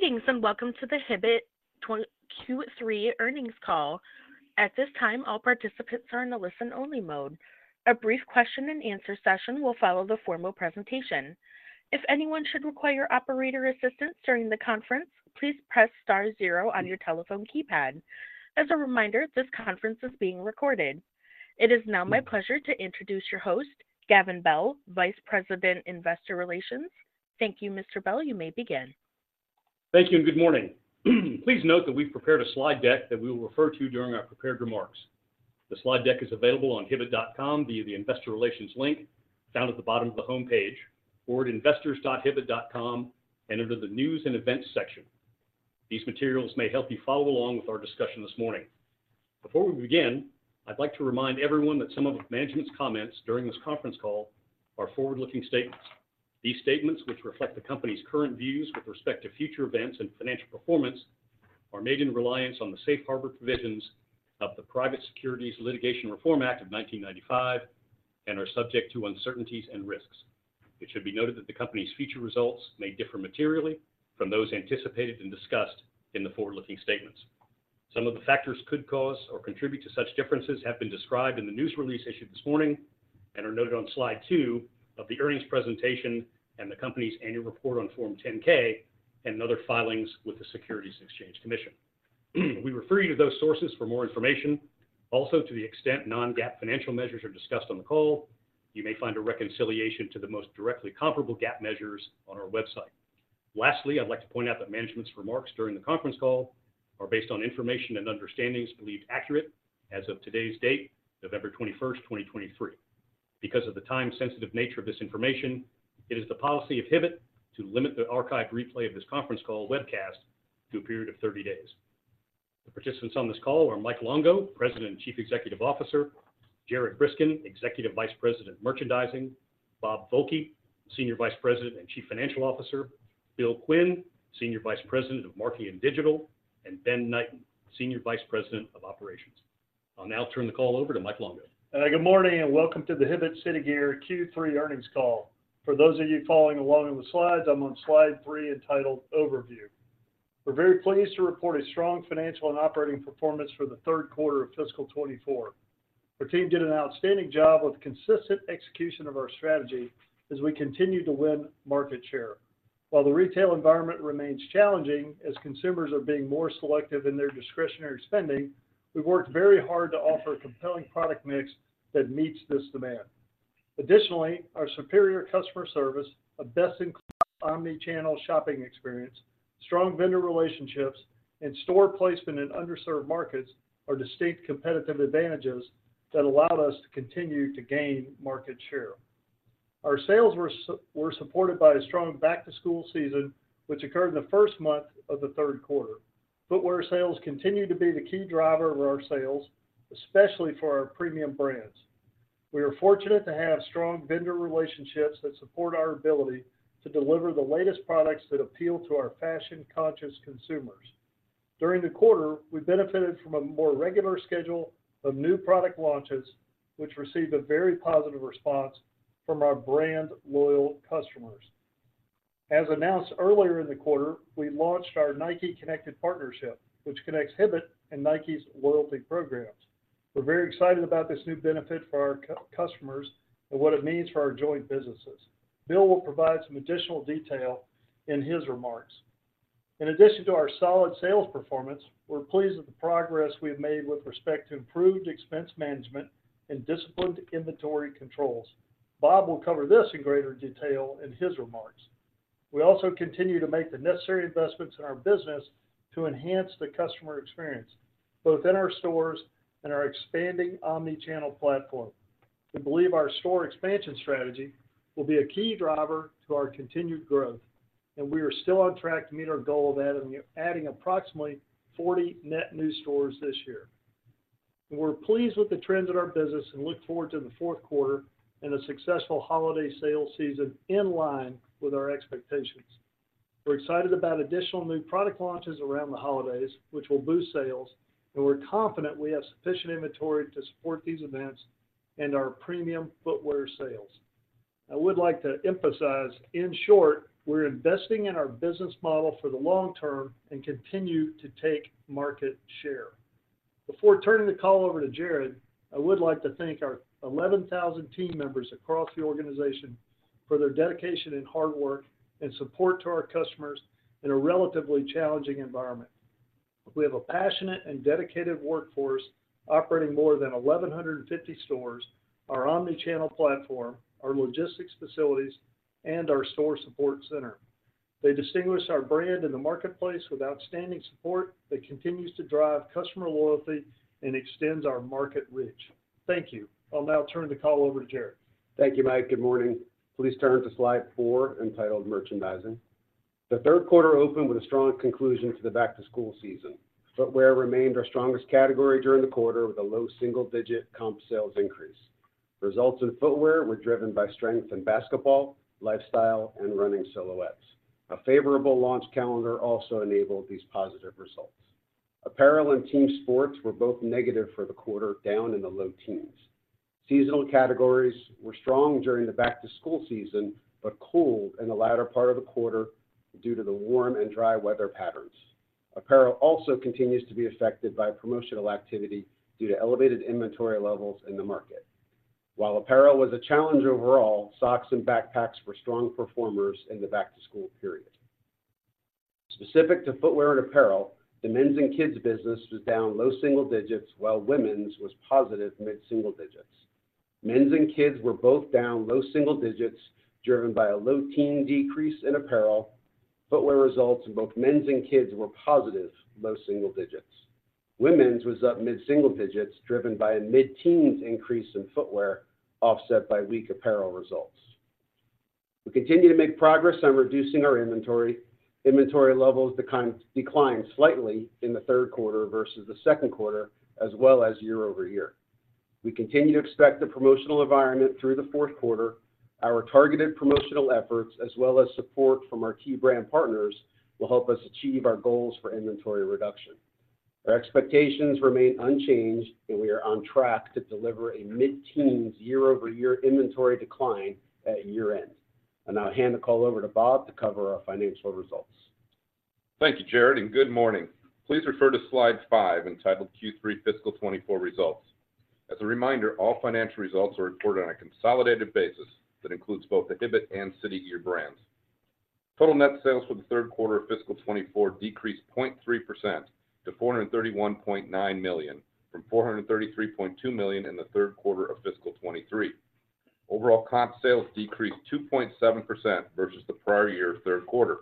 Greetings, and welcome to the Hibbett Q3 earnings call. At this time, all participants are in a listen-only mode. A brief question and answer session will follow the formal presentation. If anyone should require operator assistance during the conference, please press star zero on your telephone keypad. As a reminder, this conference is being recorded. It is now my pleasure to introduce your host, Gavin Bell, Vice President, Investor Relations. Thank you, Mr. Bell. You may begin. Thank you and good morning. Please note that we've prepared a slide deck that we will refer to during our prepared remarks. The slide deck is available on hibbett.com via the Investor Relations link, down at the bottom of the homepage or at investors.hibbett.com and under the News and Events section. These materials may help you follow along with our discussion this morning. Before we begin, I'd like to remind everyone that some of management's comments during this conference call are forward-looking statements. These statements, which reflect the company's current views with respect to future events and financial performance, are made in reliance on the Safe Harbor Provisions of the Private Securities Litigation Reform Act of 1995 and are subject to uncertainties and risks. It should be noted that the company's future results may differ materially from those anticipated and discussed in the forward-looking statements. Some of the factors could cause or contribute to such differences have been described in the news release issued this morning and are noted on slide 2 of the earnings presentation and the company's annual report on Form 10-K and other filings with the Securities and Exchange Commission. We refer you to those sources for more information. Also, to the extent non-GAAP financial measures are discussed on the call, you may find a reconciliation to the most directly comparable GAAP measures on our website. Lastly, I'd like to point out that management's remarks during the conference call are based on information and understandings believed accurate as of today's date, November 21st, 2023. Because of the time-sensitive nature of this information, it is the policy of Hibbett to limit the archived replay of this conference call webcast to a period of 30 days. The participants on this call are Mike Longo, President and Chief Executive Officer, Jared Briskin, Executive Vice President, Merchandising, Bob Volke, Senior Vice President and Chief Financial Officer, Bill Quinn, Senior Vice President of Marketing and Digital, and Ben Knighton, Senior Vice President of Operations. I'll now turn the call over to Mike Longo. Good morning, and welcome to the Hibbett City Gear Q3 earnings call. For those of you following along in the slides, I'm on slide 3, entitled Overview. We're very pleased to report a strong financial and operating performance for the Q3 of fiscal 2024. Our team did an outstanding job with consistent execution of our strategy as we continue to win market share. While the retail environment remains challenging, as consumers are being more selective in their discretionary spending, we've worked very hard to offer a compelling product mix that meets this demand. Additionally, our superior customer service, a best-in-class omnichannel shopping experience, strong vendor relationships, and store placement in underserved markets are distinct competitive advantages that allowed us to continue to gain market share. Our sales were supported by a strong Back-to-School season, which occurred in the first month of the Q3. Footwear sales continued to be the key driver of our sales, especially for our premium brands. We are fortunate to have strong vendor relationships that support our ability to deliver the latest products that appeal to our fashion-conscious consumers. During the quarter, we benefited from a more regular schedule of new product launches, which received a very positive response from our brand loyal customers. As announced earlier in the quarter, we launched our Nike Connected Partnership, which connects Hibbett and Nike's loyalty programs. We're very excited about this new benefit for our customers and what it means for our joint businesses. Bill will provide some additional detail in his remarks. In addition to our solid sales performance, we're pleased with the progress we've made with respect to improved expense management and disciplined inventory controls. Bob will cover this in greater detail in his remarks. We also continue to make the necessary investments in our business to enhance the customer experience, both in our stores and our expanding omnichannel platform. We believe our store expansion strategy will be a key driver to our continued growth, and we are still on track to meet our goal of adding approximately 40 net new stores this year. We're pleased with the trends in our business and look forward to the Q4 and a successful holiday sales season in line with our expectations. We're excited about additional new product launches around the holidays, which will boost sales, and we're confident we have sufficient inventory to support these events and our premium footwear sales. I would like to emphasize, in short, we're investing in our business model for the long term and continue to take market share. Before turning the call over to Jared, I would like to thank our 11,000 team members across the organization for their dedication and hard work and support to our customers in a relatively challenging environment. We have a passionate and dedicated workforce operating more than 1,150 stores, our omnichannel platform, our logistics facilities, and our store support center. They distinguish our brand in the marketplace with outstanding support that continues to drive customer loyalty and extends our market reach. Thank you. I'll now turn the call over to Jared. Thank you, Mike. Good morning. Please turn to slide 4, entitled Merchandising. The Q3 opened with a strong conclusion to the Back-to-School season. Footwear remained our strongest category during the quarter, with a low single-digit comp sales increase. Results in footwear were driven by strength in basketball, lifestyle, and running silhouettes. A favorable launch calendar also enabled these positive results.... Apparel and team sports were both negative for the quarter, down in the low teens. Seasonal categories were strong during the Back-to-School season, but cooled in the latter part of the quarter due to the warm and dry weather patterns. Apparel also continues to be affected by promotional activity due to elevated inventory levels in the market. While apparel was a challenge overall, socks and backpacks were strong performers in the Back-to-School period. Specific to footwear and apparel, the men's and kids business was down low single digits, while women's was positive mid-single digits. Men's and kids were both down low single digits, driven by a low teen decrease in apparel. Footwear results in both men's and kids were positive, low single digits. Women's was up mid-single digits, driven by a mid-teens increase in footwear, offset by weak apparel results. We continue to make progress on reducing our inventory. Inventory levels declined, declined slightly in the Q3 versus the Q2, as well as year-over-year. We continue to expect the promotional environment through the Q4. Our targeted promotional efforts, as well as support from our key brand partners, will help us achieve our goals for inventory reduction. Our expectations remain unchanged, and we are on track to deliver a mid-teens year-over-year inventory decline at year-end. I'll now hand the call over to Bob to cover our financial results. Thank you, Jared, and good morning. Please refer to slide 5, entitled Q3 Fiscal 2024 Results. As a reminder, all financial results are reported on a consolidated basis that includes both the Hibbett and City Gear brands. Total net sales for the Q3 of fiscal 2024 decreased 0.3% to $431.9 million, from $433.2 million in the Q3 of fiscal 2023. Overall, comp sales decreased 2.7% versus the prior year Q3.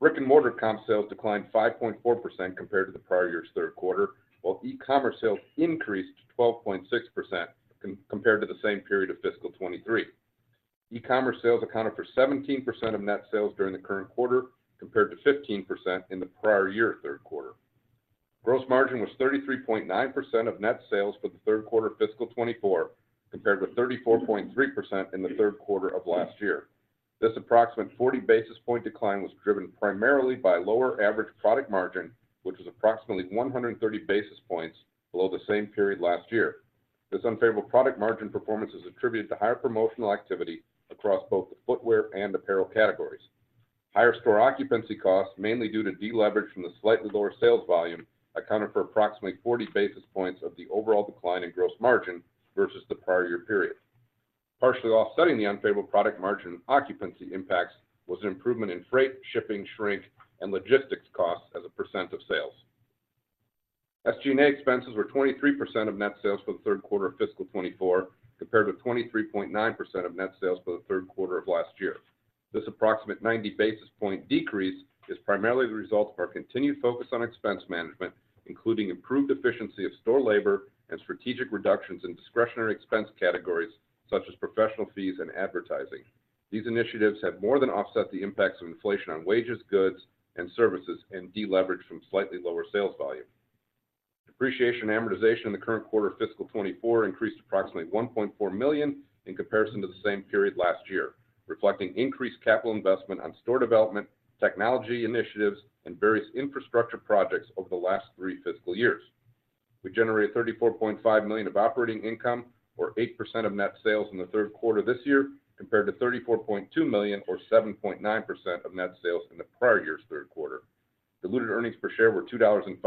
Brick-and-Mortar comp sales declined 5.4% compared to the prior year's Q3, while e-commerce sales increased 12.6% compared to the same period of fiscal 2023. E-commerce sales accounted for 17% of net sales during the current quarter, compared to 15% in the prior year Q3. Gross margin was 33.9% of net sales for the Q3 of fiscal 2024, compared with 34.3% in the Q3 of last year. This approximate 40 basis point decline was driven primarily by lower average product margin, which is approximately 130 basis points below the same period last year. This unfavorable product margin performance is attributed to higher promotional activity across both the footwear and apparel categories. Higher store occupancy costs, mainly due to deleverage from the slightly lower sales volume, accounted for approximately 40 basis points of the overall decline in gross margin versus the prior year period. Partially offsetting the unfavorable product margin occupancy impacts was an improvement in freight, shipping, shrink, and logistics costs as a percent of sales. SG&A expenses were 23% of net sales for the Q3 of fiscal 2024, compared with 23.9% of net sales for the Q3 of last year. This approximate 90 basis point decrease is primarily the result of our continued focus on expense management, including improved efficiency of store labor and strategic reductions in discretionary expense categories such as professional fees and advertising. These initiatives have more than offset the impacts of inflation on wages, goods, and services, and deleverage from slightly lower sales volume. Depreciation and amortization in the current quarter of fiscal 2024 increased approximately $1.4 million in comparison to the same period last year, reflecting increased capital investment on store development, technology initiatives, and various infrastructure projects over the last three fiscal years. We generated $34.5 million of operating income, or 8% of net sales in the Q3 this year, compared to $34.2 million, or 7.9% of net sales in the prior year's Q3. Diluted earnings per share were $2.05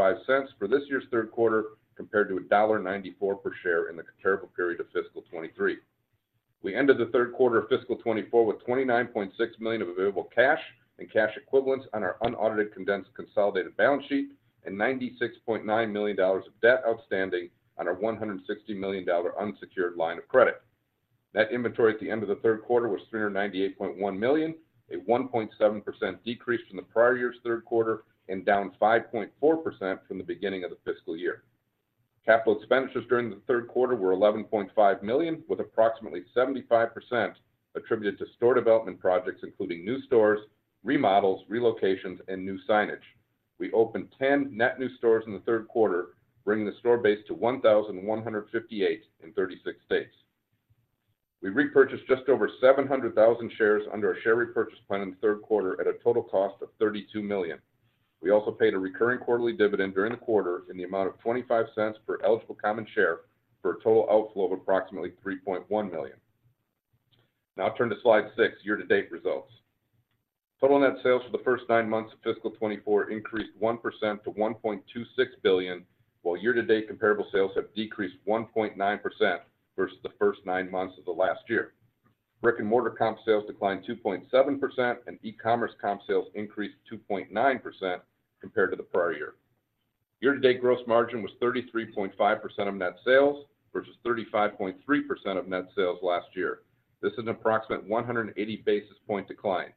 for this year's Q3, compared to $1.94 per share in the comparable period of fiscal 2023. We ended the Q3 of fiscal 2024 with $29.6 million of available cash and cash equivalents on our unaudited, condensed consolidated balance sheet, and $96.9 million of debt outstanding on our $160 million unsecured line of credit. Net inventory at the end of the Q3 was $398.1 million, a 1.7% decrease from the prior year's Q3, and down 5.4% from the beginning of the fiscal year. Capital expenditures during the Q3 were $11.5 million, with approximately 75% attributed to store development projects, including new stores, remodels, relocations, and new signage. We opened 10 net new stores in the Q3, bringing the store base to 1,158 in 36 states. We repurchased just over 700,000 shares under our share repurchase plan in the Q3 at a total cost of $32 million. We also paid a recurring quarterly dividend during the quarter in the amount of $0.25 per eligible common share, for a total outflow of approximately $3.1 million. Now I turn to slide 6, year-to-date results. Total net sales for the first 9 months of fiscal 2024 increased 1% to $1.26 billion, while year-to-date comparable sales have decreased 1.9% versus the first 9 months of the last year. Brick-and-Mortar comp sales declined 2.7%, and e-commerce comp sales increased 2.9% compared to the prior year. Year-to-date gross margin was 33.5% of net sales, versus 35.3% of net sales last year. This is an approximate 180 basis point decline.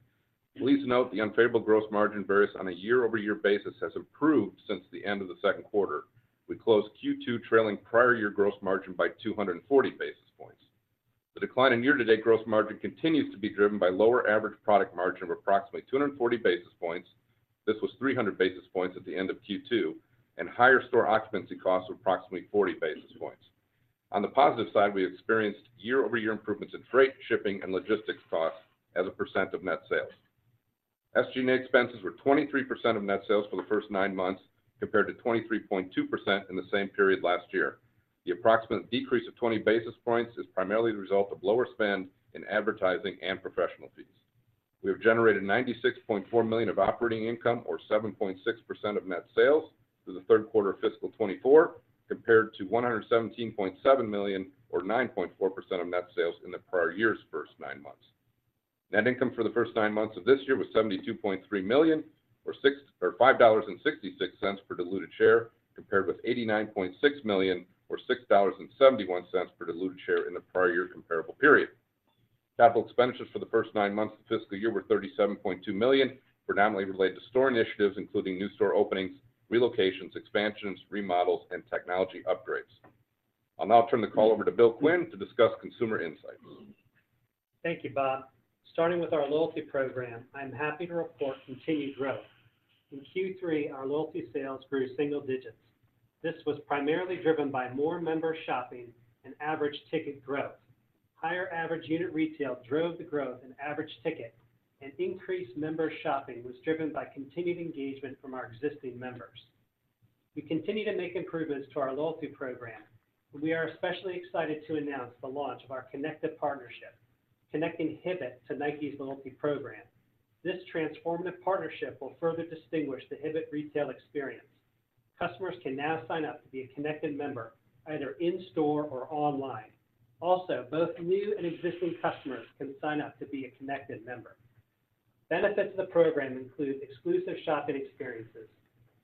Please note the unfavorable gross margin variance on a year-over-year basis has improved since the end of the Q2. We closed Q2, trailing prior year gross margin by 240 basis points. The decline in year-to-date gross margin continues to be driven by lower average product margin of approximately 240 basis points. This was 300 basis points at the end of Q2, and higher store occupancy costs of approximately 40 basis points. On the positive side, we experienced year-over-year improvements in freight, shipping, and logistics costs as a percent of net sales. SG&A expenses were 23% of net sales for the first nine months, compared to 23.2% in the same period last year. The approximate decrease of 20 basis points is primarily the result of lower spend in advertising and professional fees. We have generated $96.4 million of operating income, or 7.6% of net sales, through the Q3 of fiscal 2024, compared to $117.7 million, or 9.4% of net sales in the prior year's first nine months. Net income for the first nine months of this year was $72.3 million or $5.66 per diluted share, compared with $89.6 million or $6.71 per diluted share in the prior year comparable period. Capital expenditures for the first nine months of the fiscal year were $37.2 million, predominantly related to store initiatives, including new store openings, relocations, expansions, remodels, and technology upgrades. I'll now turn the call over to Bill Quinn to discuss consumer insights. Thank you, Bob. Starting with our loyalty program, I'm happy to report continued growth. In Q3, our loyalty sales grew single digits. This was primarily driven by more member shopping and average ticket growth. Higher average unit retail drove the growth in average ticket, and increased member shopping was driven by continued engagement from our existing members. We continue to make improvements to our loyalty program, and we are especially excited to announce the launch of our Connected Partnership, connecting Hibbett to Nike's loyalty program. This transformative partnership will further distinguish the Hibbett retail experience. Customers can now sign up to be a Connected member, either in store or online. Also, both new and existing customers can sign up to be a Connected member. Benefits of the program include exclusive shopping experiences,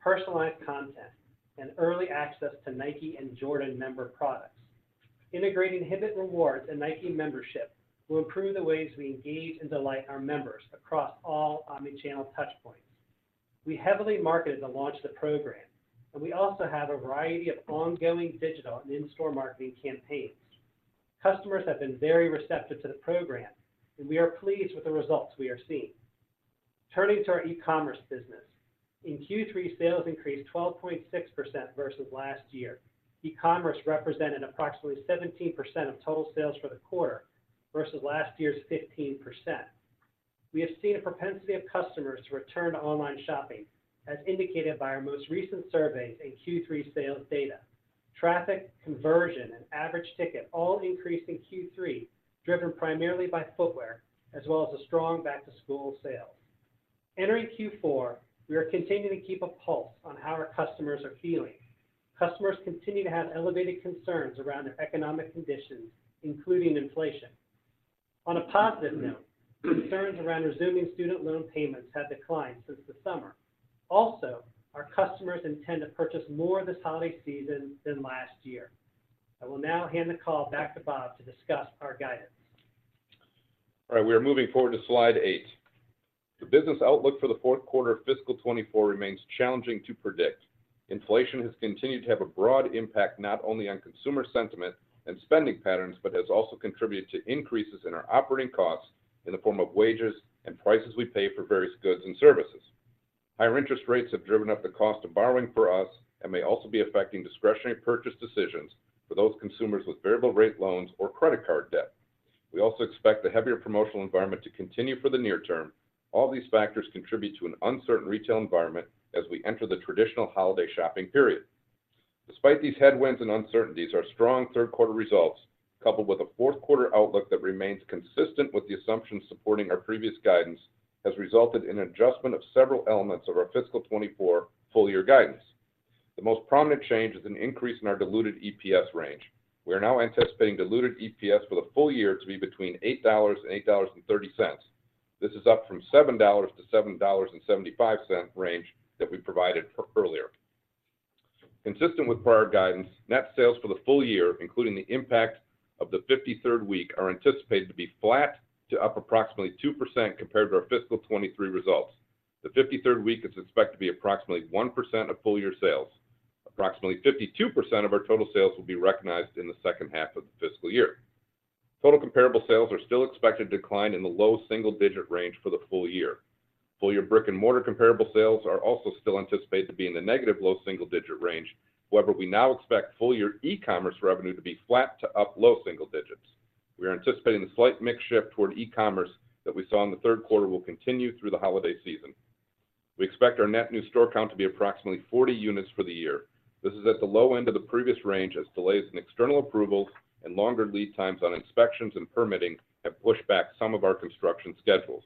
personalized content, and early access to Nike and Jordan member products. Integrating Hibbett Rewards and Nike Membership will improve the ways we engage and delight our members across all omni-channel touch points. We heavily marketed the launch of the program, and we also have a variety of ongoing digital and in-store marketing campaigns. Customers have been very receptive to the program, and we are pleased with the results we are seeing. Turning to our e-commerce business. In Q3, sales increased 12.6% versus last year. E-commerce represented approximately 17% of total sales for the quarter versus last year's 15%. We have seen a propensity of customers return to online shopping, as indicated by our most recent surveys in Q3 sales data. Traffic, conversion, and average ticket all increased in Q3, driven primarily by footwear, as well as a strong Back-to-School sale. Entering Q4, we are continuing to keep a pulse on how our customers are feeling. Customers continue to have elevated concerns around the economic conditions, including inflation. On a positive note, concerns around resuming student loan payments have declined since the summer. Also, our customers intend to purchase more this holiday season than last year. I will now hand the call back to Bob to discuss our guidance. All right, we are moving forward to slide 8. The business outlook for the Q4 of fiscal 2024 remains challenging to predict. Inflation has continued to have a broad impact, not only on consumer sentiment and spending patterns, but has also contributed to increases in our operating costs in the form of wages and prices we pay for various goods and services. Higher interest rates have driven up the cost of borrowing for us and may also be affecting discretionary purchase decisions for those consumers with variable rate loans or credit card debt. We also expect the heavier promotional environment to continue for the near term. All these factors contribute to an uncertain retail environment as we enter the traditional holiday shopping period. Despite these headwinds and uncertainties, our strong Q3 results, coupled with a Q4 outlook that remains consistent with the assumptions supporting our previous guidance, has resulted in an adjustment of several elements of our fiscal 2024 full-year guidance. The most prominent change is an increase in our diluted EPS range. We are now anticipating diluted EPS for the full year to be between $8 and $8.30. This is up from $7-$7.75 range that we provided earlier. Consistent with prior guidance, net sales for the full year, including the impact of the 53rd week, are anticipated to be flat to up approximately 2% compared to our fiscal 2023 results. The 53rd week is expected to be approximately 1% of full-year sales. Approximately 52% of our total sales will be recognized in the second half of the fiscal year. Total comparable sales are still expected to decline in the low single-digit range for the full year. Full-year Brick-and-Mortar comparable sales are also still anticipated to be in the negative low single-digit range. However, we now expect full-year e-commerce revenue to be flat to up low single digits. We are anticipating the slight mix shift toward e-commerce that we saw in the Q3 will continue through the holiday season. We expect our net new store count to be approximately 40 units for the year. This is at the low end of the previous range, as delays in external approvals and longer lead times on inspections and permitting have pushed back some of our construction schedules.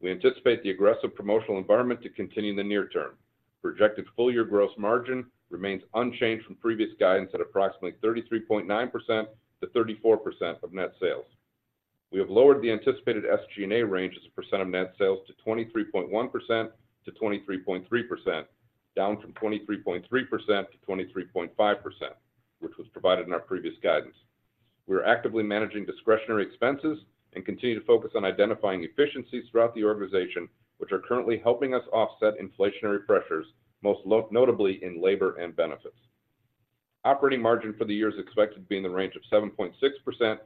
We anticipate the aggressive promotional environment to continue in the near term. Projected full-year gross margin remains unchanged from previous guidance at approximately 33.9%-34% of net sales. We have lowered the anticipated SG&A range as a percent of net sales to 23.1%-23.3%, down from 23.3%-23.5%, which was provided in our previous guidance. We are actively managing discretionary expenses and continue to focus on identifying efficiencies throughout the organization, which are currently helping us offset inflationary pressures, most notably in labor and benefits. Operating margin for the year is expected to be in the range of 7.6%-8%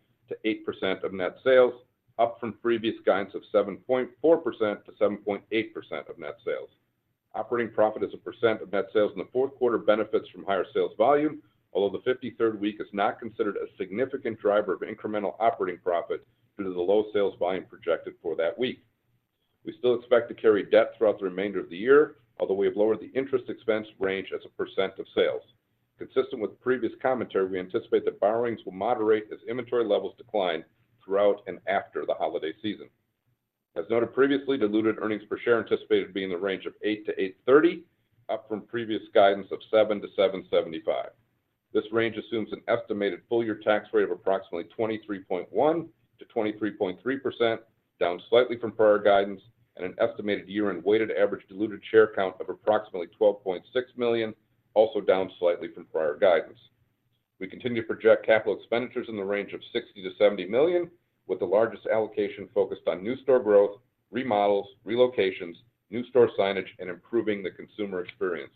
of net sales, up from previous guidance of 7.4%-7.8% of net sales. Operating profit as a % of net sales in the Q4 benefits from higher sales volume, although the 53rd week is not considered a significant driver of incremental operating profit due to the low sales volume projected for that week. We still expect to carry debt throughout the remainder of the year, although we have lowered the interest expense range as a % of sales. Consistent with previous commentary, we anticipate that borrowings will moderate as inventory levels decline throughout and after the holiday season. As noted previously, diluted earnings per share anticipated being in the range of $8.00-$8.30, up from previous guidance of $7.00-$7.75. This range assumes an estimated full-year tax rate of approximately 23.1%-23.3%, down slightly from prior guidance, and an estimated year-end weighted average diluted share count of approximately 12.6 million, also down slightly from prior guidance. We continue to project capital expenditures in the range of $60-70 million, with the largest allocation focused on new store growth, remodels, relocations, new store signage, and improving the consumer experience.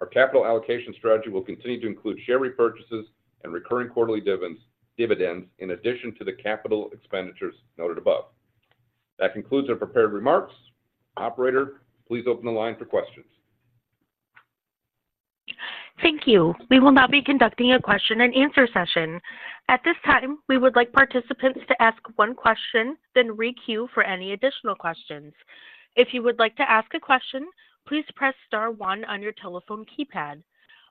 Our capital allocation strategy will continue to include share repurchases and recurring quarterly dividends, dividends in addition to the capital expenditures noted above. That concludes our prepared remarks. Operator, please open the line for questions. Thank you. We will now be conducting a question and answer session. At this time, we would like participants to ask one question, then requeue for any additional questions. If you would like to ask a question, please press star one on your telephone keypad.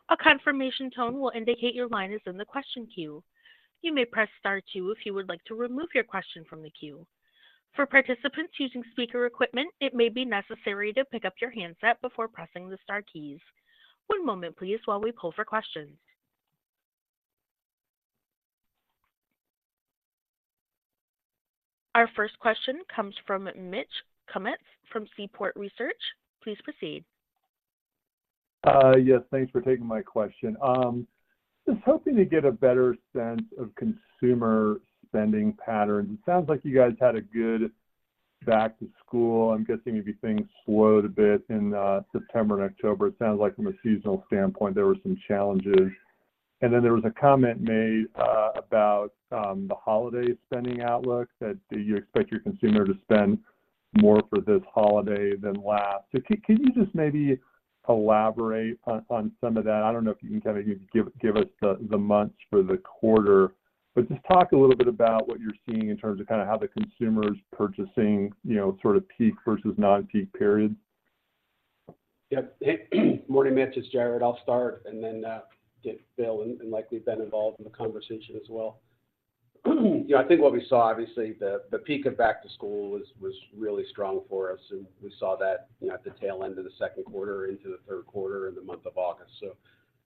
A confirmation tone will indicate your line is in the question queue. You may press star two if you would like to remove your question from the queue. For participants using speaker equipment, it may be necessary to pick up your handset before pressing the star keys. One moment, please, while we poll for questions. Our first question comes from Mitch Kummetz from Seaport Research. Please proceed. Yes, thanks for taking my question. Just hoping to get a better sense of consumer spending patterns. It sounds like you guys had a good Back-to-School. I'm guessing maybe things slowed a bit in September and October. It sounds like from a seasonal standpoint, there were some challenges. And then there was a comment made about the holiday spending outlook that do you expect your consumer to spend more for this holiday than last? So can you just maybe elaborate on some of that? I don't know if you can kind of give us the months for the quarter, but just talk a little bit about what you're seeing in terms of kinda how the consumer's purchasing, you know, sort of peak versus non-peak period. Yep. Morning, Mitch, it's Jared. I'll start and then get Bill in, and like we've been involved in the conversation as well. Yeah, I think what we saw, obviously, the peak of Back-to-School was really strong for us, and we saw that, you know, at the tail end of the Q2 into the Q3 in the month of August.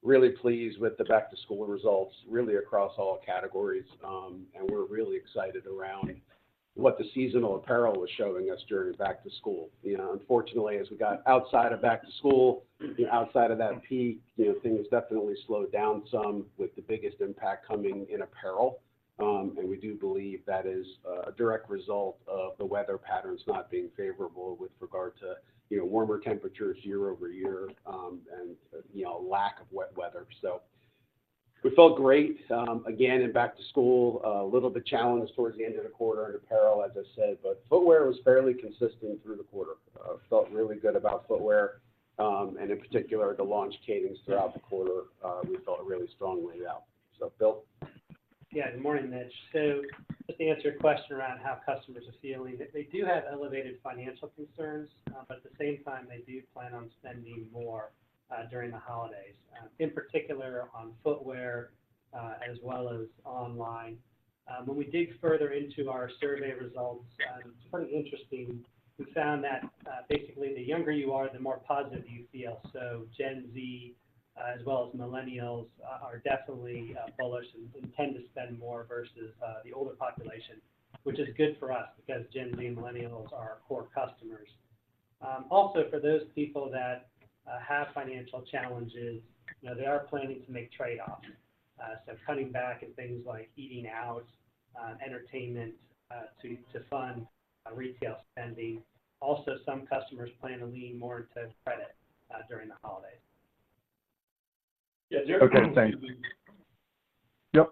So really pleased with the Back-to-School results, really across all categories. And we're really excited around what the seasonal apparel was showing us during Back-to-School. You know, unfortunately, as we got outside of Back-to-School, outside of that peak, you know, things definitely slowed down some, with the biggest impact coming in apparel. We do believe that is a direct result of the weather patterns not being favorable with regard to, you know, warmer temperatures year-over-year, and, you know, lack of wet weather. So we felt great, again, in Back-to-School, a little bit challenged towards the end of the quarter in apparel, as I said, but footwear was fairly consistent through the quarter. Felt really good about footwear, and in particular, the launch cadences throughout the quarter, we felt really strongly about. So, Bill? Yeah, good morning, Mitch. So just to answer your question around how customers are feeling, they do have elevated financial concerns, but at the same time, they do plan on spending more, during the holidays, in particular on footwear, as well as online. When we dig further into our survey results, it's pretty interesting. We found that, basically, the younger you are, the more positive you feel. So Gen Z, as well as millennials, are definitely bullish and tend to spend more versus the older population, which is good for us because Gen Z and millennials are core customers. Also, for those people that have financial challenges, you know, they are planning to make trade-offs. So cutting back on things like eating out, entertainment, to fund retail spending. Also, some customers plan to lean more into credit, during the holidays. Okay, thanks. Yeah.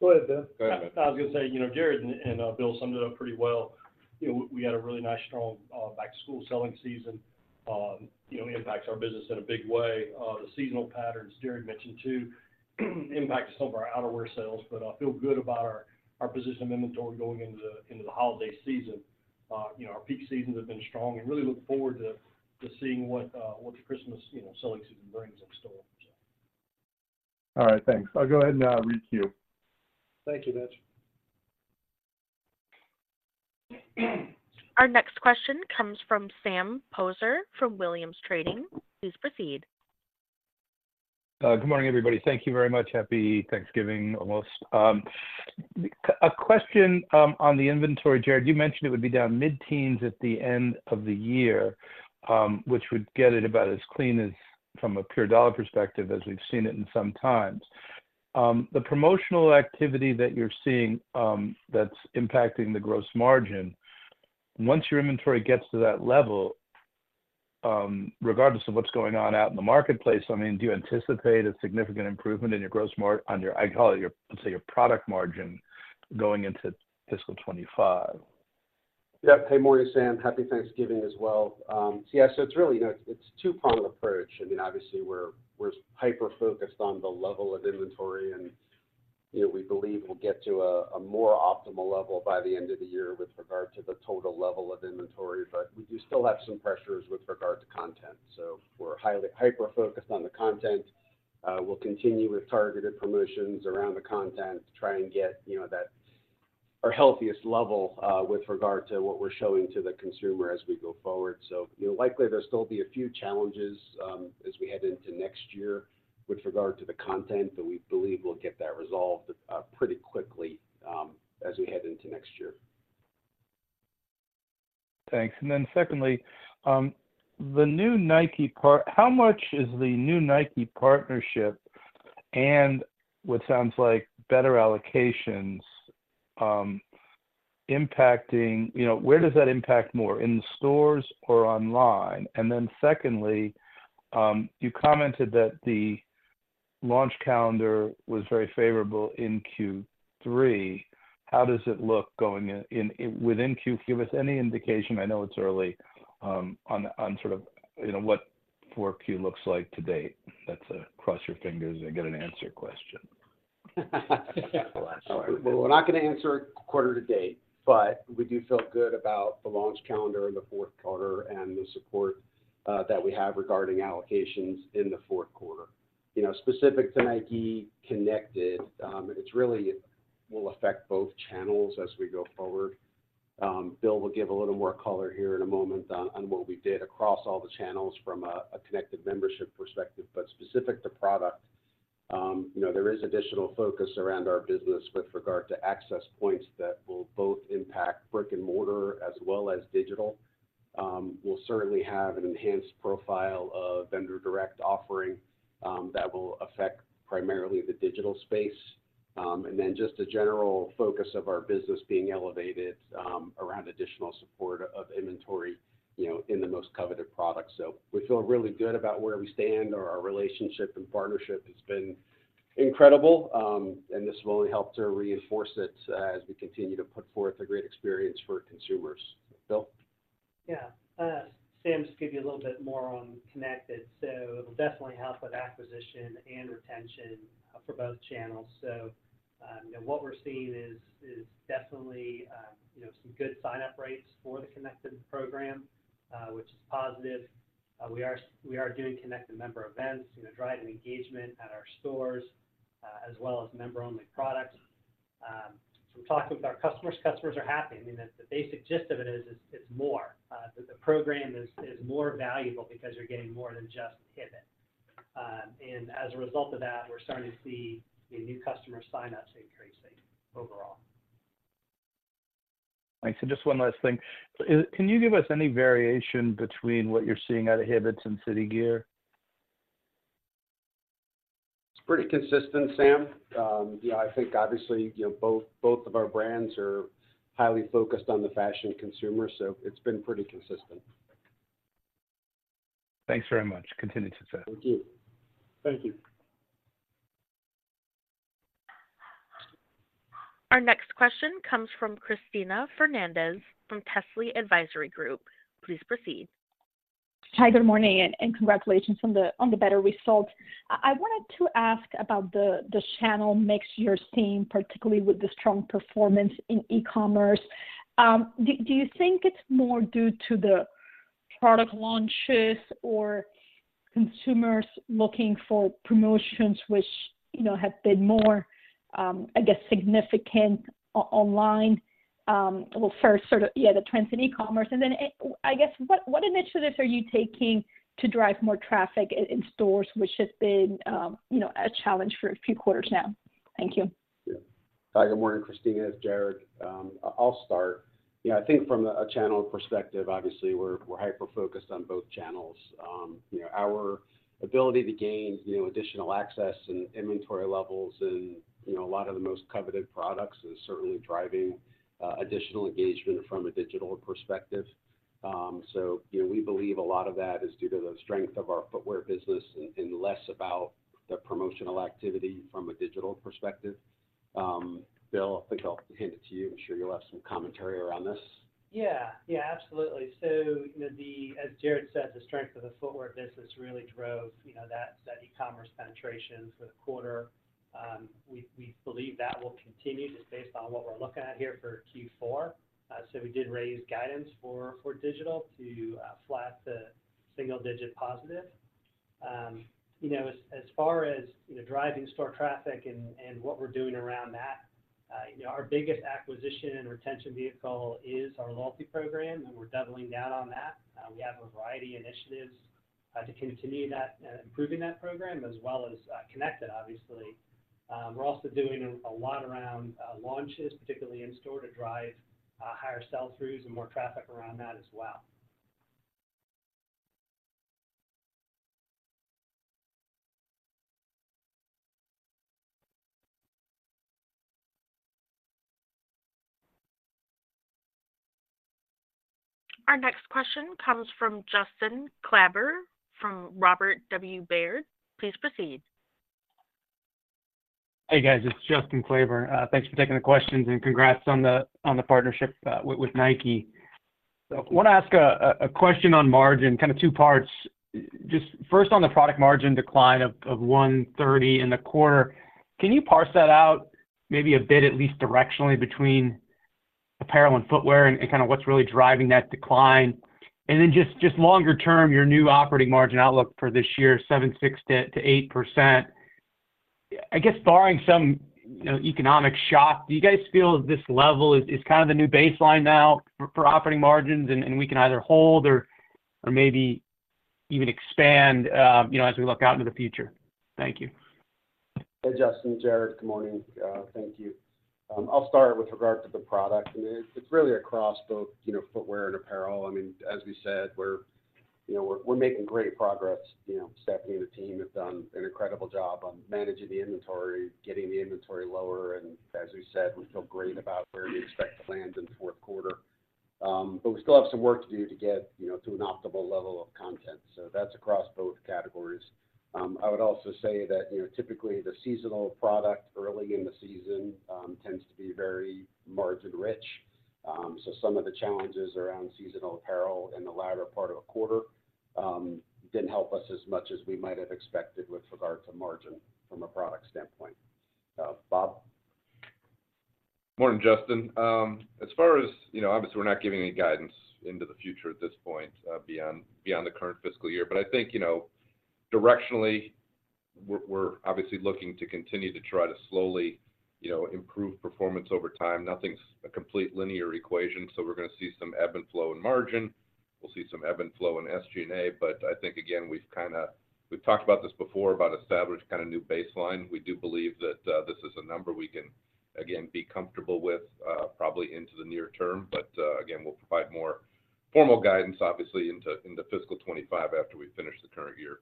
Go ahead, Bill. Go ahead. I was going to say, you know, Jared and Bill summed it up pretty well. You know, we had a really nice, strong, Back-to-School selling season. You know, impacts our business in a big way. The seasonal patterns Jared mentioned, too, impact some of our outerwear sales, but I feel good about our position in inventory going into the holiday season. You know, our peak seasons have been strong, and really look forward to seeing what the Christmas, you know, selling season brings in store, so. All right, thanks. I'll go ahead and requeue. Thank you, Mitch. Our next question comes from Sam Poser, from Williams Trading. Please proceed. Good morning, everybody. Thank you very much. Happy Thanksgiving, almost. A question on the inventory, Jared. You mentioned it would be down mid-teens at the end of the year, which would get it about as clean as from a pure dollar perspective as we've seen it in some times. The promotional activity that you're seeing, that's impacting the gross margin. Once your inventory gets to that level, regardless of what's going on out in the marketplace, I mean, do you anticipate a significant improvement in your gross margin on your, I call it your, let's say, your product margin going into fiscal 2025?... Yep. Hey, morning, Sam. Happy Thanksgiving as well. So yeah, so it's really, you know, it's two-pronged approach. I mean, obviously, we're hyper-focused on the level of inventory, and, you know, we believe we'll get to a more optimal level by the end of the year with regard to the total level of inventory. But we do still have some pressures with regard to content, so we're highly hyper-focused on the content. We'll continue with targeted promotions around the content to try and get, you know, that—our healthiest level with regard to what we're showing to the consumer as we go forward. So, you know, likely there'll still be a few challenges as we head into next year with regard to the content, but we believe we'll get that resolved pretty quickly as we head into next year. Thanks. And then secondly, the new Nike part... How much is the new Nike partnership and what sounds like better allocations, impacting... You know, where does that impact more, in the stores or online? And then secondly, you commented that the launch calendar was very favorable in Q3. How does it look going in, in Q? Give us any indication, I know it's early, on sort of, you know, what fourth Q looks like to date. That's a cross your fingers and get an answer question. Well, we're not gonna answer quarter to date, but we do feel good about the launch calendar in the Q4 and the support that we have regarding allocations in the Q4. You know, specific to Nike Connected, it's really will affect both channels as we go forward. Bill will give a little more color here in a moment on what we did across all the channels from a Connected membership perspective. But specific to product, you know, there is additional focus around our business with regard to access points that will both impact Brick-and-Mortar as well as digital. We'll certainly have an enhanced profile of vendor direct offering that will affect primarily the digital space. And then just a general focus of our business being elevated around additional support of inventory, you know, in the most coveted products. So we feel really good about where we stand. Our relationship and partnership has been incredible, and this will only help to reinforce it as we continue to put forth a great experience for consumers. Bill? Yeah. Sam, just give you a little bit more on Connected. So it will definitely help with acquisition and retention for both channels. So, you know, what we're seeing is definitely, you know, some good sign-up rates for the Connected program, which is positive. We are doing Connected member events to drive engagement at our stores, as well as member-only products. From talking with our customers, customers are happy. I mean, the basic gist of it is it's more that the program is more valuable because you're getting more than just Hibbett. And as a result of that, we're starting to see new customer sign-ups increasing overall. Thanks. So just one last thing. Can you give us any variation between what you're seeing out of Hibbett's and City Gear? It's pretty consistent, Sam. Yeah, I think obviously, you know, both, both of our brands are highly focused on the fashion consumer, so it's been pretty consistent. Thanks very much. Continue to success. Thank you. Thank you. Our next question comes from Cristina Fernández from Telsey Advisory Group. Please proceed. Hi, good morning, and congratulations on the better results. I wanted to ask about the channel mix you're seeing, particularly with the strong performance in e-commerce. Do you think it's more due to the product launches or consumers looking for promotions which, you know, have been more, I guess, significant online? Well, first, sort of, yeah, the trends in e-commerce, and then, I guess, what initiatives are you taking to drive more traffic in stores, which has been, you know, a challenge for a few quarters now? Thank you. Yeah. Hi, good morning, Cristina. It's Jared. I'll start. Yeah, I think from a channel perspective, obviously, we're hyper-focused on both channels. You know, our ability to gain additional access and inventory levels and a lot of the most coveted products is certainly driving additional engagement from a digital perspective. So, you know, we believe a lot of that is due to the strength of our footwear business and less about the promotional activity from a digital perspective. Bill, I think I'll hand it to you. I'm sure you'll have some commentary around this. Yeah. Yeah, absolutely. So, you know, the As Jared said, the strength of the footwear business really drove, you know, that e-commerce penetration for the quarter. We believe that will continue just based on what we're looking at here for Q4. So we did raise guidance for digital to flat to single digit positive. You know, as far as, you know, driving store traffic and what we're doing around that, you know, our biggest acquisition and retention vehicle is our loyalty program, and we're doubling down on that. We have a variety of initiatives to continue that, improving that program, as well as Connected, obviously. We're also doing a lot around launches, particularly in store, to drive higher sell-throughs and more traffic around that as well. Our next question comes from Justin Kleber from Robert W. Baird. Please proceed. ... Hey, guys, it's Justin Kleber. Thanks for taking the questions, and congrats on the partnership with Nike. I wanna ask a question on margin, kind of two parts. Just first, on the product margin decline of 130 in the quarter, can you parse that out maybe a bit, at least directionally, between apparel and footwear, and kind of what's really driving that decline? And then just longer term, your new operating margin outlook for this year, 7.6%-8%. I guess barring some, you know, economic shock, do you guys feel this level is kind of the new baseline now for operating margins, and we can either hold or maybe even expand, you know, as we look out into the future? Thank you. Hey, Justin. Jared, good morning. Thank you. I'll start with regard to the product, and it's really across both, you know, footwear and apparel. I mean, as we said, we're, you know, making great progress. You know, Stephanie and the team have done an incredible job on managing the inventory, getting the inventory lower, and as we said, we feel great about where we expect to land in the Q4. But we still have some work to do to get, you know, to an optimal level of content. So that's across both categories. I would also say that, you know, typically the seasonal product early in the season tends to be very margin-rich. So, some of the challenges around seasonal apparel in the latter part of a quarter didn't help us as much as we might have expected with regard to margin from a product standpoint. Bob? Morning, Justin. As far as... You know, obviously, we're not giving any guidance into the future at this point, beyond the current fiscal year. But I think, you know, directionally, we're obviously looking to continue to try to slowly, you know, improve performance over time. Nothing's a complete linear equation, so we're gonna see some ebb and flow in margin. We'll see some ebb and flow in SG&A, but I think, again, we've kind of - we've talked about this before, about established kind of new baseline. We do believe that, this is a number we can again be comfortable with, probably into the near term. But, again, we'll provide more formal guidance, obviously, into fiscal 2025 after we finish the current year.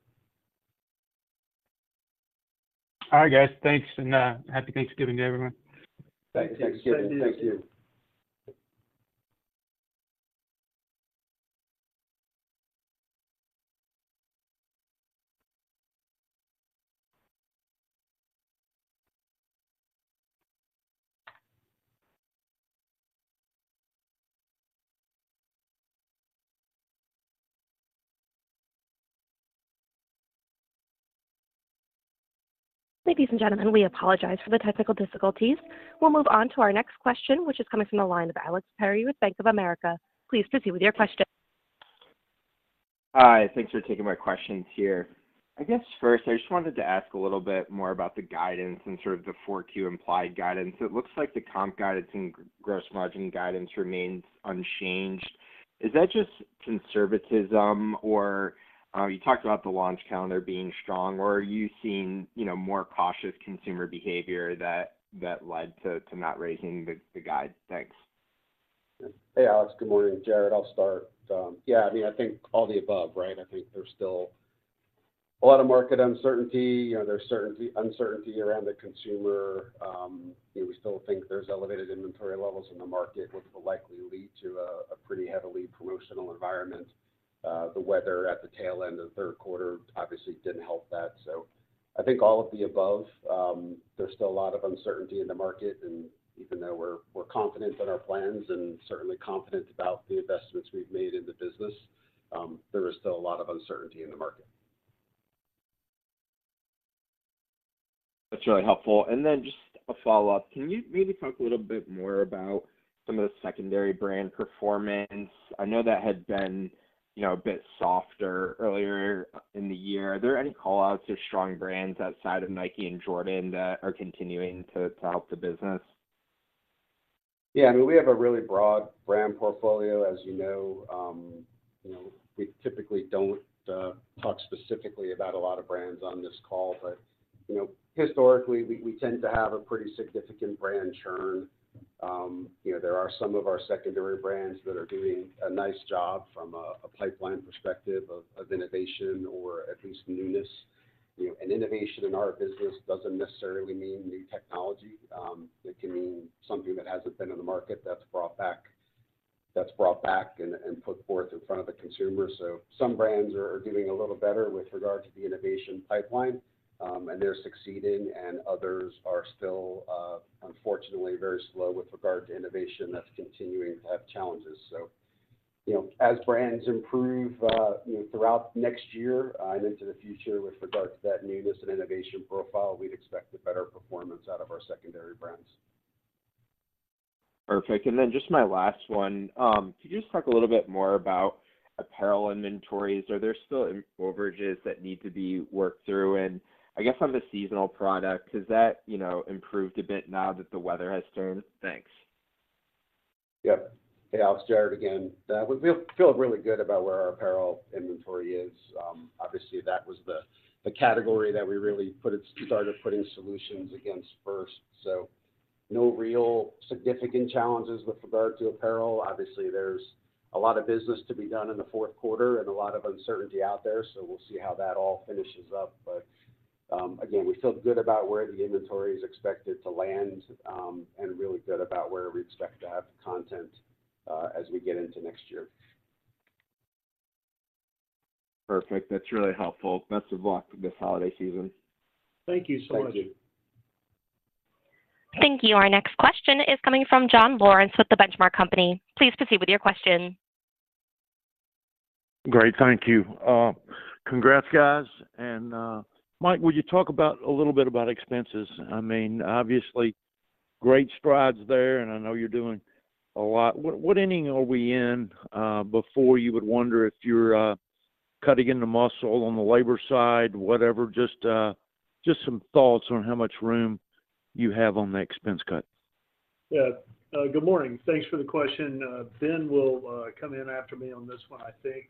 All right, guys. Thanks, and Happy Thanksgiving to everyone. Thanks. Happy Thanksgiving. Thank you. Ladies and gentlemen, we apologize for the technical difficulties. We'll move on to our next question, which is coming from the line of Alex Perry with Bank of America. Please proceed with your question. Hi, thanks for taking my questions here. I guess first, I just wanted to ask a little bit more about the guidance and sort of the Q4 implied guidance. It looks like the comp guidance and gross margin guidance remains unchanged. Is that just conservatism, or, you talked about the launch calendar being strong, or are you seeing, you know, more cautious consumer behavior that, that led to, to not raising the, the guide? Thanks. Hey, Alex. Good morning. Jared, I'll start. Yeah, I mean, I think all the above, right? I think there's still a lot of market uncertainty. You know, there's uncertainty around the consumer. We still think there's elevated inventory levels in the market, which will likely lead to a pretty heavily promotional environment. The weather at the tail end of the Q3 obviously didn't help that. So I think all of the above. There's still a lot of uncertainty in the market, and even though we're confident in our plans and certainly confident about the investments we've made in the business, there is still a lot of uncertainty in the market. That's really helpful. Then just a follow-up: Can you maybe talk a little bit more about some of the secondary brand performance? I know that had been, you know, a bit softer earlier in the year. Are there any call-outs or strong brands outside of Nike and Jordan that are continuing to help the business? Yeah, I mean, we have a really broad brand portfolio, as you know. You know, we typically don't talk specifically about a lot of brands on this call, but, you know, historically, we tend to have a pretty significant brand churn. You know, there are some of our secondary brands that are doing a nice job from a pipeline perspective of innovation or at least newness. You know, and innovation in our business doesn't necessarily mean new technology. It can mean something that hasn't been in the market that's brought back and put forth in front of the consumer. So some brands are doing a little better with regard to the innovation pipeline, and they're succeeding, and others are still, unfortunately, very slow with regard to innovation that's continuing to have challenges. So, you know, as brands improve, you know, throughout next year and into the future with regard to that newness and innovation profile, we'd expect a better performance out of our secondary brands. Perfect. And then just my last one. Could you just talk a little bit more about apparel inventories? Are there still overages that need to be worked through? And I guess on the seasonal product, has that, you know, improved a bit now that the weather has turned? Thanks. Yep. Hey, Alex, Jared again. We feel really good about where our apparel inventory is. Obviously, that was the category that we really started putting solutions against first. So no real significant challenges with regard to apparel. Obviously, there's a lot of business to be done in the Q4 and a lot of uncertainty out there, so we'll see how that all finishes up. But again, we feel good about where the inventory is expected to land, and really good about where we expect to have content as we get into next year. Perfect. That's really helpful. Best of luck this holiday season. Thank you so much. Thank you. Thank you. Our next question is coming from John Lawrence with The Benchmark Company. Please proceed with your question. Great. Thank you. Congrats, guys, and Mike, would you talk about a little bit about expenses? I mean, obviously, great strides there, and I know you're doing a lot. What, what inning are we in, before you would wonder if you're cutting into muscle on the labor side, whatever, just some thoughts on how much room you have on the expense cut? Yeah. Good morning. Thanks for the question. Ben will come in after me on this one, I think.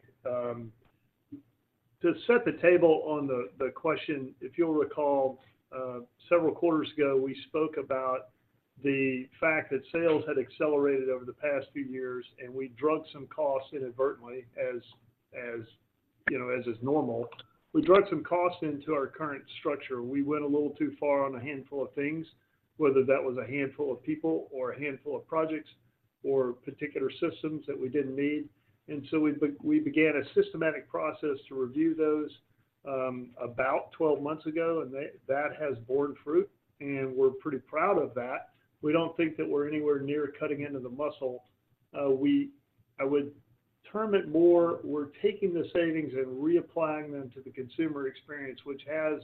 To set the table on the question, if you'll recall, several quarters ago, we spoke about the fact that sales had accelerated over the past few years, and we drug some costs inadvertently, as you know, as is normal. We drug some costs into our current structure. We went a little too far on a handful of things, whether that was a handful of people or a handful of projects or particular systems that we didn't need. And so we began a systematic process to review those, about 12 months ago, and that has borne fruit, and we're pretty proud of that. We don't think that we're anywhere near cutting into the muscle. I would term it more, we're taking the savings and reapplying them to the consumer experience, which has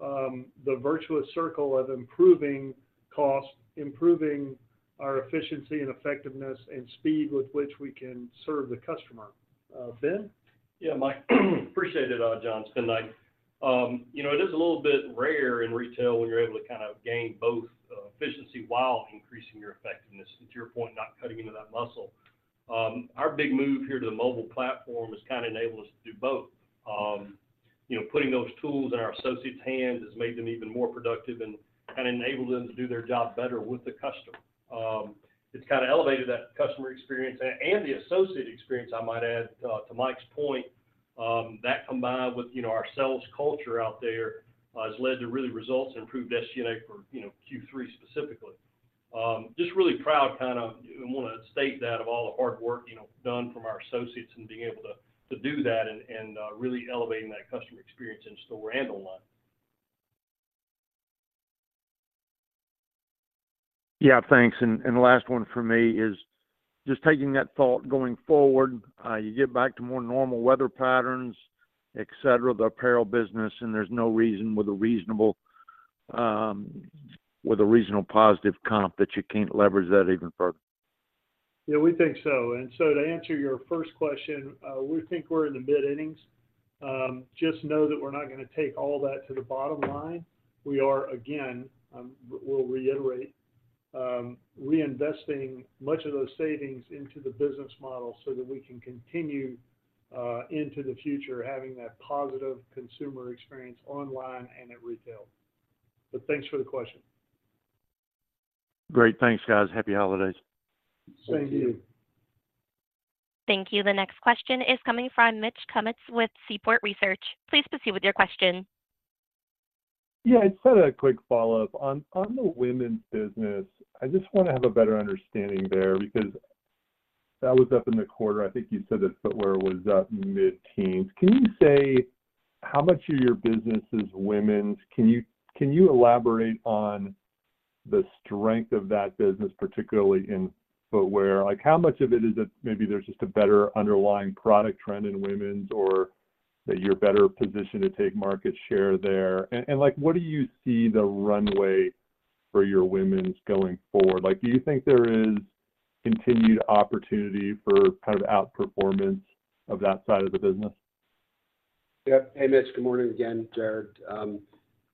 the virtuous circle of improving cost, improving our efficiency and effectiveness and speed with which we can serve the customer. Ben? Yeah, Mike, appreciate it, John. It's been nice. You know, it is a little bit rare in retail when you're able to kind of gain both, efficiency while increasing your effectiveness, to your point, not cutting into that muscle. Our big move here to the mobile platform has kind of enabled us to do both. You know, putting those tools in our associates' hands has made them even more productive and, and enabled them to do their job better with the customer. It's kind of elevated that customer experience and the associate experience, I might add, to Mike's point. That combined with, you know, our sales culture out there, has led to really results and improved SG&A for, you know, Q3 specifically. Just really proud, kind of, and wanna state that of all the hard work, you know, done from our associates and being able to do that and really elevating that customer experience in store and online. Yeah, thanks. And the last one for me is just taking that thought going forward, you get back to more normal weather patterns, et cetera, the apparel business, and there's no reason with a reasonable, with a reasonable positive comp that you can't leverage that even further. Yeah, we think so. And so to answer your first question, we think we're in the mid-innings. Just know that we're not gonna take all that to the bottom line. We are, again, we'll reiterate, reinvesting much of those savings into the business model so that we can continue, into the future, having that positive consumer experience online and at retail. But thanks for the question. Great. Thanks, guys. Happy holidays. Thank you. Thank you. Thank you. The next question is coming from Mitch Kummetz with Seaport Research. Please proceed with your question. Yeah, I just had a quick follow-up. On, on the women's business, I just wanna have a better understanding there because that was up in the quarter. I think you said that footwear was up mid-teens. Can you say how much of your business is women's? Can you, can you elaborate on the strength of that business, particularly in footwear? Like, how much of it is that maybe there's just a better underlying product trend in women's, or that you're better positioned to take market share there? And, and like, what do you see the runway for your women's going forward? Like, do you think there is continued opportunity for kind of outperformance of that side of the business? Yep. Hey, Mitch, good morning again. Jared.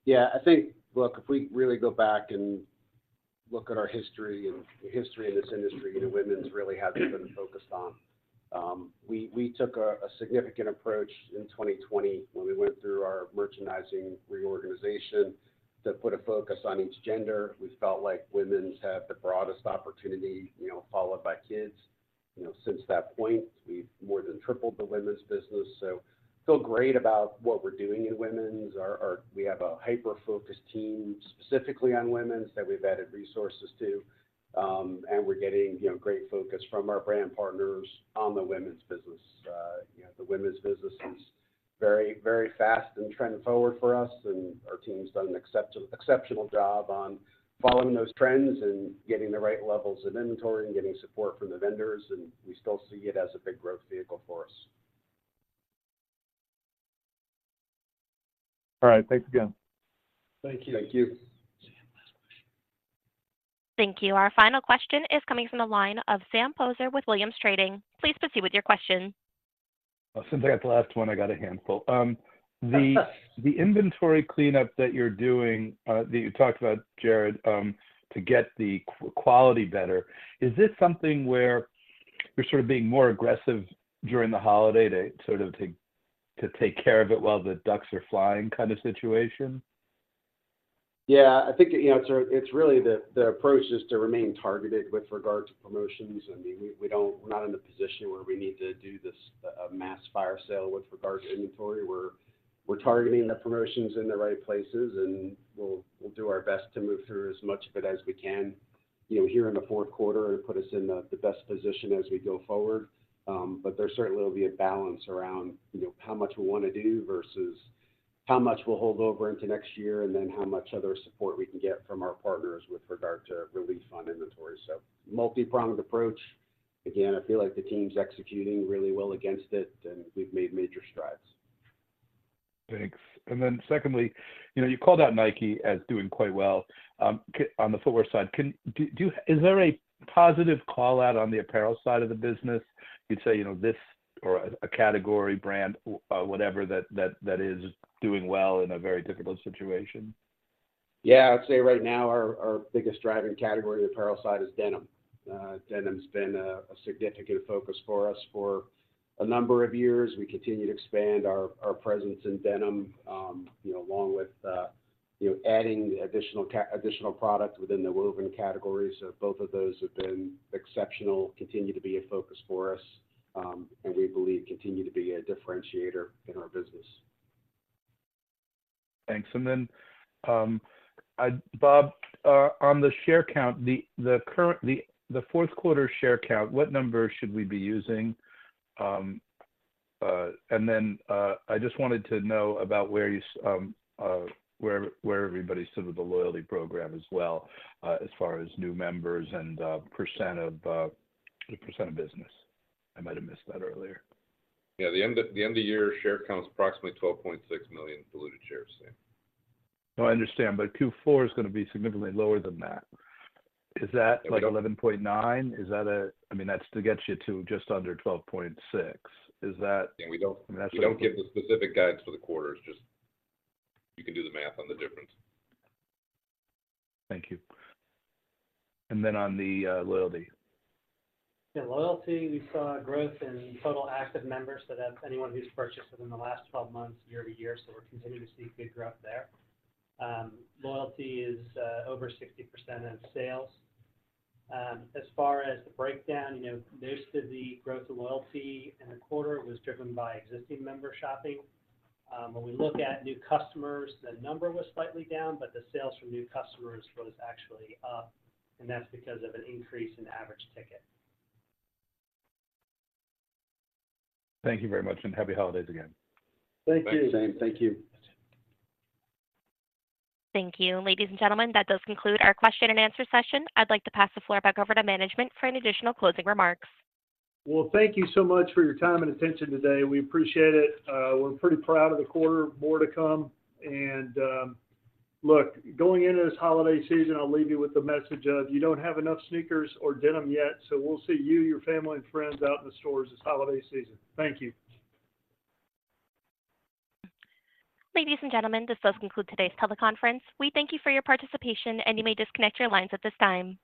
Yeah, I think, look, if we really go back and look at our history and the history of this industry, the women's really hasn't been focused on. We took a significant approach in 2020 when we went through our merchandising reorganization to put a focus on each gender. We felt like women's have the broadest opportunity, you know, followed by kids. You know, since that point, we've more than tripled the women's business, so feel great about what we're doing in women's. We have a hyper-focused team, specifically on women's, that we've added resources to. And we're getting, you know, great focus from our brand partners on the women's business. You know, the women's business is very, very fast and trend forward for us, and our team's done an exceptional job on following those trends and getting the right levels of inventory and getting support from the vendors, and we still see it as a big growth vehicle for us. All right. Thanks again. Thank you. Thank you. Thank you. Our final question is coming from the line of Sam Poser with Williams Trading. Please proceed with your question. Since I got the last one, I got a handful. The inventory cleanup that you're doing, that you talked about, Jared, to get the quality better, is this something where you're sort of being more aggressive during the holiday to sort of take care of it while the ducks are flying kind of situation? Yeah, I think, you know, it's really the approach is to remain targeted with regard to promotions. I mean, we don't. We're not in a position where we need to do this mass fire sale with regard to inventory. We're targeting the promotions in the right places, and we'll do our best to move through as much of it as we can, you know, here in the Q4 and put us in the best position as we go forward. But there certainly will be a balance around, you know, how much we wanna do versus how much we'll hold over into next year, and then how much other support we can get from our partners with regard to relief on inventory. So multipronged approach. Again, I feel like the team's executing really well against it, and we've made major strides. Thanks. And then secondly, you know, you called out Nike as doing quite well. On the footwear side, can you—is there a positive call-out on the apparel side of the business, you'd say, you know, this or a category brand or whatever, that is doing well in a very difficult situation? Yeah. I'd say right now, our biggest driving category on the apparel side is denim. Denim's been a significant focus for us for a number of years. We continue to expand our presence in denim, you know, along with, you know, adding the additional product within the woven categories. So both of those have been exceptional, continue to be a focus for us, and we believe continue to be a differentiator in our business. Thanks. And then, Bob, on the share count, the current Q4 share count, what number should we be using? And then, I just wanted to know about where everybody stood with the loyalty program as well, as far as new members and the percent of business. I might have missed that earlier. Yeah, the end of year share count is approximately 12.6 million diluted shares, Sam. No, I understand, but Q4 is gonna be significantly lower than that. Is that like 11.9? Is that a-- I mean, that's to get you to just under 12.6. Is that- Yeah, we don't- I mean, that's roughly- We don't give the specific guides for the quarters. Just you can do the math on the difference. Thank you. Then on the loyalty? Yeah, loyalty, we saw a growth in total active members, so that's anyone who's purchased within the last 12 months, year-over-year, so we're continuing to see good growth there. Loyalty is over 60% of sales. As far as the breakdown, you know, most of the growth of loyalty in the quarter was driven by existing member shopping. When we look at new customers, the number was slightly down, but the sales from new customers was actually up, and that's because of an increase in average ticket. Thank you very much, and happy holidays again. Thank you. Thanks, Sam. Thank you. Thank you. Ladies and gentlemen, that does conclude our question and answer session. I'd like to pass the floor back over to management for any additional closing remarks. Well, thank you so much for your time and attention today. We appreciate it. We're pretty proud of the quarter, more to come. Look, going into this holiday season, I'll leave you with the message of: you don't have enough sneakers or denim yet, so we'll see you, your family, and friends out in the stores this holiday season. Thank you. Ladies and gentlemen, this does conclude today's teleconference. We thank you for your participation, and you may disconnect your lines at this time.